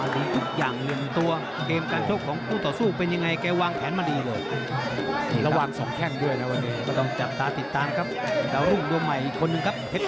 ฟั่งจำตาติดตามครับ